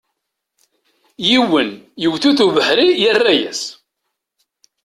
Yiwen, yewwet-it ubeḥri, yerra-yas.